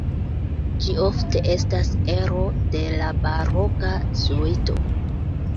Ĝi ofte estas ero de la baroka suito.